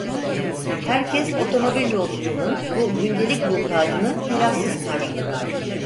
Herkes otomobil yolculuğunun bu gündelik vukuatını telaşsız karşıladı.